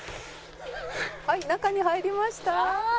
「はい中に入りました」